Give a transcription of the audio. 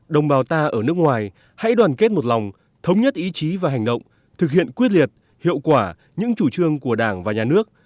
đồng bào ta ở nước ngoài hãy đoàn kết một lòng thống nhất ý chí và hành động thực hiện quyết liệt hiệu quả những chủ trương của đảng và nhà nước